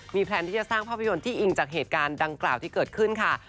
แพลนที่จะสร้างภาพยนตร์ที่อิงจากเหตุการณ์ดังกล่าวที่เกิดขึ้นค่ะ